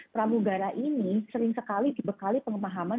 pramugara ini sering sekali dibekali pengemahaman